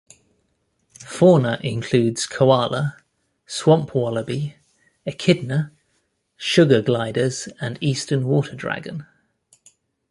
Fauna includes koala, swamp wallaby, echidna, sugar gliders and eastern water dragon.